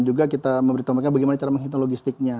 juga kita memberitahu mereka bagaimana cara menghitung logistiknya